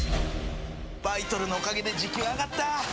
バイトルのおかげで時給上がった。